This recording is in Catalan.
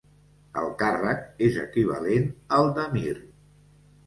El càrrec és equivalent al d'emir.